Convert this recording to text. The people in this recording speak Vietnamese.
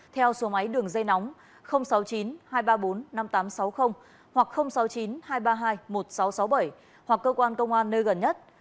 theo số máy đường dây nóng sáu mươi chín hai trăm ba mươi bốn năm nghìn tám trăm sáu mươi hoặc sáu mươi chín hai trăm ba mươi hai một nghìn sáu trăm sáu mươi bảy hoặc cơ quan công an nơi gần nhất